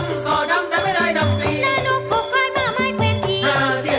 โปรดติดตามตอนต่อไป